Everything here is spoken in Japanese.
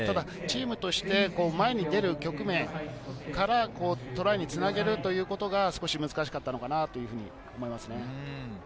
チームとして前に出る局面からトライにつなげるということが少し難しかったのかなと思います。